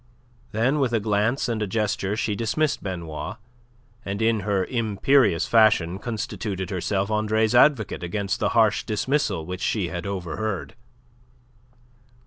Then with a glance and a gesture she dismissed Benoit, and in her imperious fashion constituted herself Andre's advocate against that harsh dismissal which she had overheard.